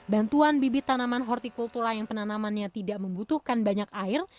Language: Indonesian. bantuan bibit tanaman hortikultura yang penanamannya tidak membutuhkan banyak air